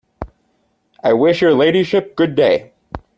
I wish your ladyship good day.